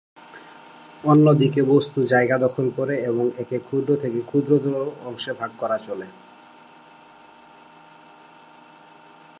অন্যদিকে বস্তু জায়গা দখল করে এবং একে ক্ষুদ্র থেকে ক্ষুদ্রতর অংশে ভাগ করা চলে।